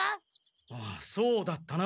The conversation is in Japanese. ああそうだったな。